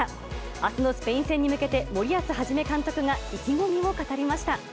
あすのスペイン戦に向けて、森保一監督が意気込みを語りました。